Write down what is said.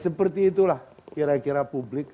seperti itulah kira kira publik